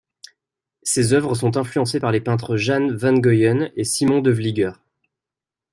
Ses œuvres sont influencées par les peintres Jan van Goyen et Simon de Vlieger.